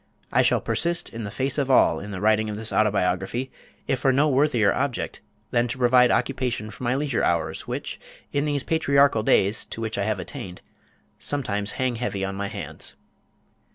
I shall persist in the face of all in the writing of this Autobiography if for no worthier object than to provide occupation for my leisure hours which, in these patriarchal days to which I have attained, sometimes hang heavy on my hands.